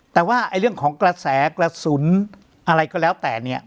แต่ว่าเรื่องของกระแสกระสุนอะไรก็แล้วแต่เนี่ย